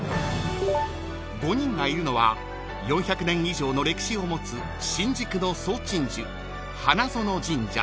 ［５人がいるのは４００年以上の歴史を持つ新宿の総鎮守］